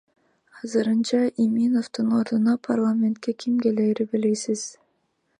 Азырынча Иминовдун ордуна парламентке ким клээри белгисиз.